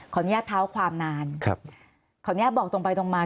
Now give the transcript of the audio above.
อนุญาตเท้าความนานครับขออนุญาตบอกตรงไปตรงมา